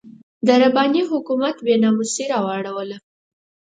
د رباني حکومت بې ناموسي راواړوله.